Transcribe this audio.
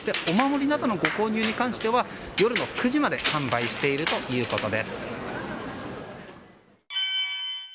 お守りなどのご購入に関しては夜の９時まで販売しているということです。